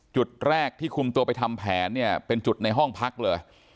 จุดแรกที่คุมตัวไปทำแผนเนี่ยเป็นจุดในห้องพักเลย